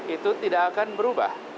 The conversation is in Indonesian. itu tidak akan berubah